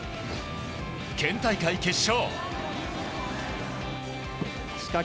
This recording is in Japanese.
県大会決勝。